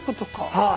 はい。